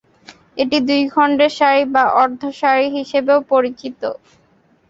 এটি "দুই খণ্ডের শাড়ি" বা "অর্ধ শাড়ি" হিসাবেও পরিচিত।